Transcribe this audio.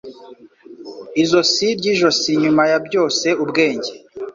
Izosi ry'ijosi Nyuma ya byose Ubwenge